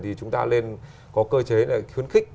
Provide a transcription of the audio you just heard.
thì chúng ta nên có cơ chế là khuyến khích